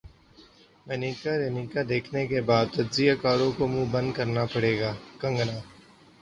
منیکارنیکا دیکھنے کے بعد تجزیہ کاروں کو منہ بند کرنا پڑے گا کنگنا